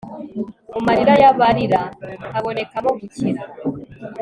mu marira y'abarira habonekamo gukira